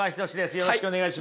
よろしくお願いします。